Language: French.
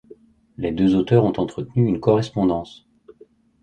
Les deux auteurs ont entretenu une correspondance.